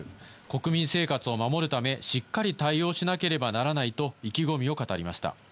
国民民生活を守るため、しっかり対応しなければならないと意気込みを語りました。